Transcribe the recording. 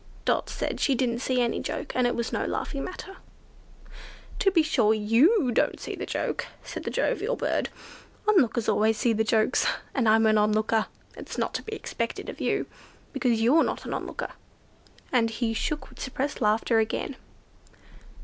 Dot said she didn't see any joke, and it was no laughing matter. "To be sure you don't see the joke," said the jovial bird. "On lookers always see the jokes, and I'm an on looker. It's not to be expected of you, because you're not an on looker;" and he shook with suppressed laughter again.